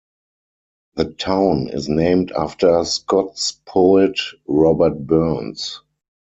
The town is named after Scots poet Robert Burns.